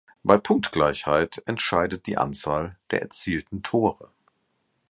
Bei Punktgleichheit entscheidet die Anzahl der erzielten Tore.